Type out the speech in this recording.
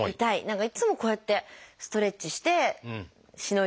何かいつもこうやってストレッチしてしのいでます。